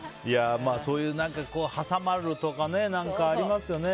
そういう挟まるとかありますね。